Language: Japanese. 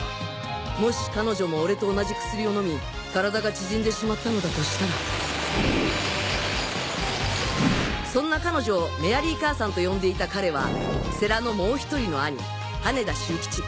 もし彼女も俺と同じ薬を飲み体が縮んでしまったのだとしたらそんな彼女を「メアリー母さん」と呼んでいた彼は世良のもう１人の兄羽田秀